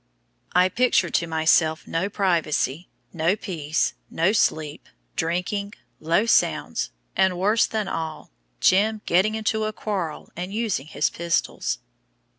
I pictured to myself no privacy, no peace, no sleep, drinking, low sounds, and worse than all, "Jim" getting into a quarrel and using his pistols.